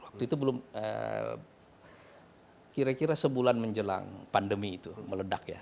waktu itu belum kira kira sebulan menjelang pandemi itu meledak ya